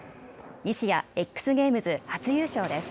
西矢、Ｘゲームズ初優勝です。